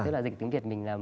tức là dịch tiếng việt mình là